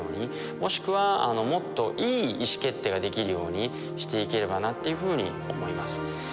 もしくはもっといい意思決定ができるようにしていければなっていうふうに思います。